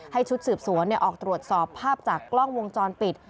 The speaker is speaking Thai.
ชุดสืบสวนออกตรวจสอบภาพจากกล้องวงจรปิด